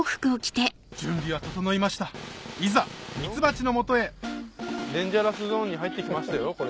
準備は整いましたいざミツバチの元へデンジャラスゾーンに入って来ましたよこれ。